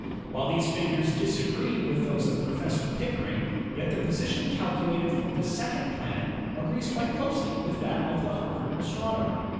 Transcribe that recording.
While these figures disagree with those of Professor Pick ering, yet the position calculated for the second planet agrees quite closely with that of the Harvard astronomer.